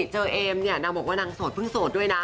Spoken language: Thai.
เห็นเอมเธอเธอพึ่งสดด้วยนะ